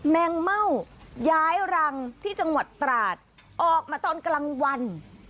แมงเม่าย้ายรังที่จังหวัดตราดออกมาตอนกลางวัน